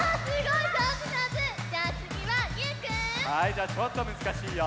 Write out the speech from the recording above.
じゃちょっとむずかしいよ。